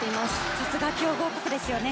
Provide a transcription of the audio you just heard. さすが強豪国ですね。